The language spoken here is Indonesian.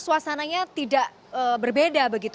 suasananya tidak berbeda